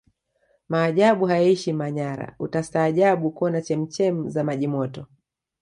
majaabu hayaishi manyara utastaajabu kuona chemchem za maji Moto